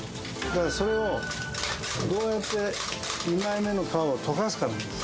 それをどうやって２枚目の皮を溶かすかなんです